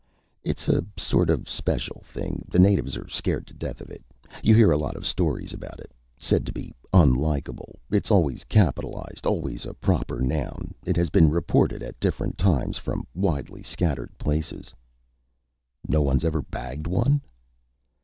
"It's a sort of special thing. The natives are scared to death of it. You hear a lot of stories about it. Said to be unkillable. It's always capitalized, always a proper noun. It has been reported at different times from widely scattered places." "No one's ever bagged one?"